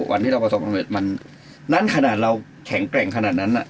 วันที่เราประสบความเร็จมันนั่นขนาดเราแข็งแกร่งขนาดนั้น